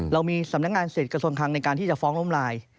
เรามีสำนักงานเศษกระทรวงคลังในการที่จะฟ้องล้มลาย